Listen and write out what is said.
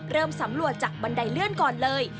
เริ่มสำรวจจากบันไดเลื่อนก่อนเลย